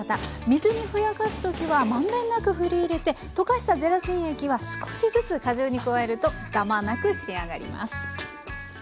水にふやかす時は満遍なくふり入れて溶かしたゼラチン液は少しずつ果汁に加えるとダマなく仕上がります。